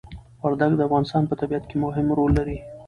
وردګ د افغانستان په طبيعت کي مهم ړول لري